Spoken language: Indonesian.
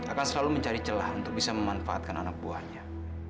akan selalu mencari celah untuk bisa memanfaatkan anak buahnya